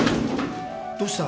どうした？